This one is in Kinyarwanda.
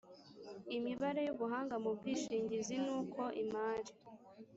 imibare y ubuhanga mu bwishingizi n uko imari